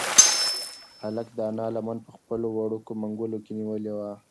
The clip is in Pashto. هلک د انا لمن په خپلو وړوکو منگولو کې نیولې وه.